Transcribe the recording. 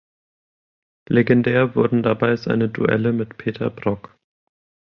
Legendär wurden dabei seine Duelle mit Peter Brock.